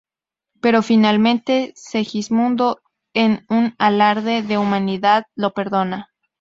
Pero finalmente, Segismundo en un alarde de humanidad lo perdona.